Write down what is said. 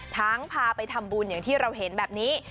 พาไปทำบุญอย่างที่เราเห็นแบบนี้